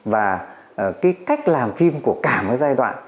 và cái cách làm phim của cả một giai đoạn